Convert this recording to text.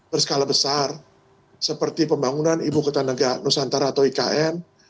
berskala besar seperti pembangunan ibu kota negara nusantara atau ikn